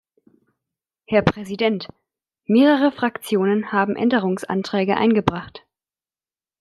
Herr Präsident, mehrere Fraktionen haben Änderungsanträge eingebracht.